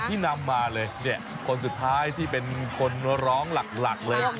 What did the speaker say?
ที่นำมาเลยเนี่ยคนสุดท้ายที่เป็นคนร้องหลักเลย